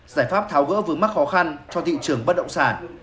giải pháp tháo gỡ vướng mắc khó khăn cho thị trường bất động sản